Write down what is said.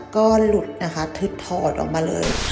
ก็หลุดนะคะทึบถอดออกมาเลย